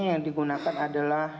yang digunakan adalah